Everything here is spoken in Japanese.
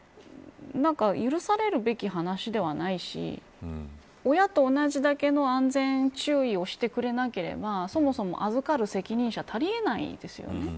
許されるべき話ではないし親と同じだけの安全注意をしてくれなければそもそも預かる責任者たりえないですよね。